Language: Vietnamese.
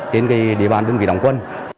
trên địa bàn đơn vị đồng quân